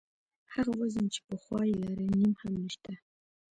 هغه وزن چې پخوا یې لاره نیم هم نشته.